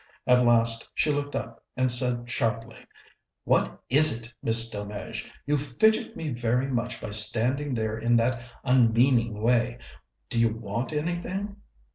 At last she looked up and said sharply: "What is it, Miss Delmege? You fidget me very much by standing there in that unmeaning way. Do you want anything?"